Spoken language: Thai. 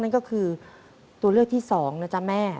ถูก